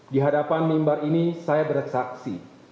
di hadapan mimbar ini saya bersaksi